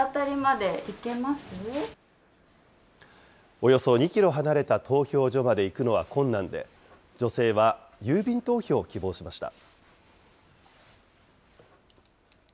およそ２キロ離れた投票所まで行くのは困難で、女性は郵便投票を希望しました。